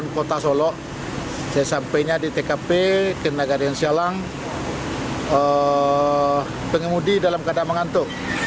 kota solok saya sampainya di tkp kena garing salang pengemudi dalam keadaan mengantuk